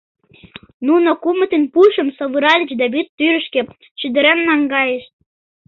Нуно кумытын пушым савыральыч да вӱд тӱрышкӧ шӱдырен наҥгайышт.